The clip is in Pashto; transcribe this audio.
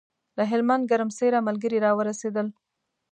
له هلمند ګرمسېره ملګري راورسېدل.